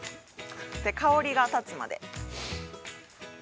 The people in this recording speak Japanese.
◆香りが立つまで。